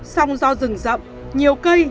song do rừng rậm nhiều cây